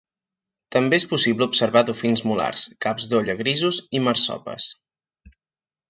També és possible observar dofins mulars, caps d'olla grisos i marsopes.